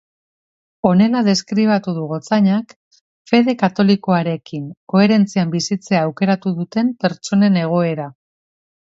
Honela deskribatu du gotzainak fede katolikoarekin koherentzian bizitzea aukeratu duten pertsonen egoera.